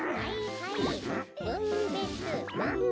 はい。